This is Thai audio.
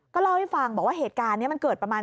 เล่าให้ฟังบอกว่าเหตุการณ์นี้มันเกิดประมาณ